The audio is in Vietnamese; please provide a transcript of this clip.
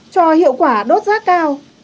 cho hiệu quả đốt rác cao